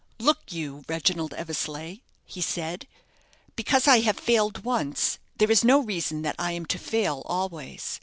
"Look you, Reginald Eversleigh," he said, "because I have failed once, there is no reason that I am to fail always.